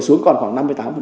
xuống còn khoảng năm mươi tám